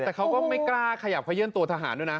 แต่เขาก็ไม่กล้าขยับขยื่นตัวทหารด้วยนะ